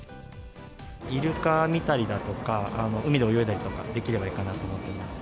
イルカ見たりだとか、海で泳いだりとかできればいいかなと思ってます。